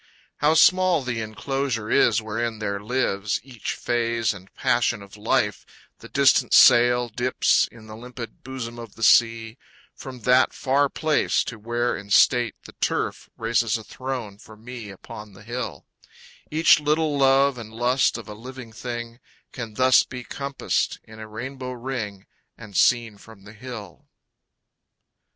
How small the enclosure is wherein there lives Each phase and passion of life, the distant sail Dips in the limpid bosom of the sea, From that far place to where in state the turf Raises a throne for me upon the hill, Each little love and lust of a living thing Can thus be compassed in a rainbow ring And seen from the hill.